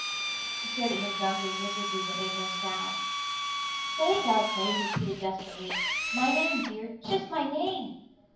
She stared at him dumbly, miserably, but made no sound. "Say it, Galatea!" he pleaded desperately. "My name, dear just my name!"